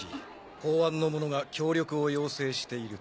公安の者が協力を要請していると。